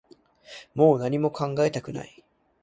もう何も考えたくない